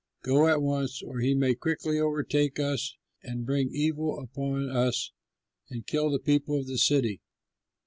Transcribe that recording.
Go at once, or he may quickly overtake us and bring evil upon us and kill the people of the city."